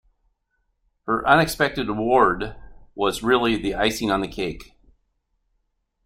Her unexpected award was really the icing on the cake